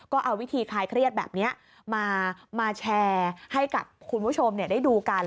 ก็เอาวิธีคลายเครียดแบบนี้มาแชร์ให้กับคุณผู้ชมได้ดูกัน